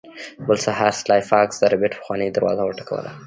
بل سهار سلای فاکس د ربیټ پخوانۍ دروازه وټکوله